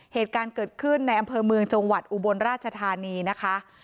เหตุการณ์เกิดขึ้นในอำเภอเมืองจังหวัดอุบลราชธานีนะคะ